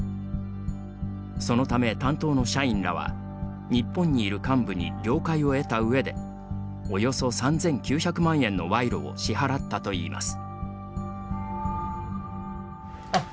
そのため、担当の社員らは日本にいる幹部に了解を得たうえでおよそ３９００万円の賄賂を支払ったといいます。